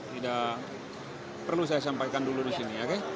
tidak perlu saya sampaikan dulu disini